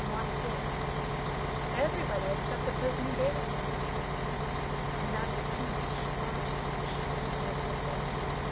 Noirtier?" "Everybody, except the person who gave it to me." "And that was too much, far too much," murmured Villefort.